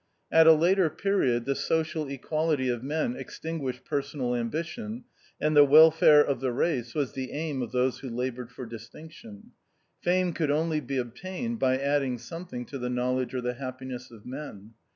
At a later period the social equality of men extinguished personal ambition, and the Welfare of the Eace was the aim of those who laboured for distinction. Fame could only be obtained by adding something to the knowledge or the happiness of men.